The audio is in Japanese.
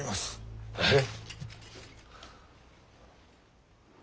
えっ。